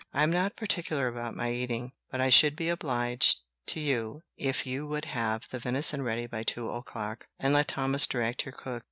I am not particular about my eating; but I should be obliged to you if you would have the venison ready by two o'clock, and let Thomas direct your cook.